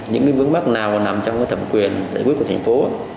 những vấn đắc nào nằm trong thẩm quyền giải quyết của thành phố